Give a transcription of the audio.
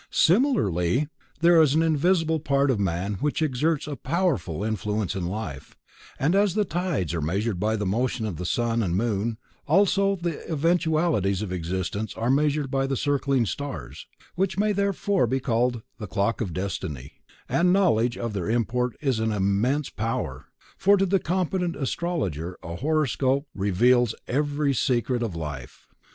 Similarly, there is an invisible part of man which exerts a powerful influence in life, and as the tides are measured by the motion of sun and moon, so also the eventualities of existence are measured by the circling stars, which may therefore be called "the Clock of Destiny," and knowledge of their import is an immense power, for to the competent Astrologer a horoscope reveals every secret of life.